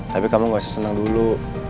tapi kamu nggak sesenang dulu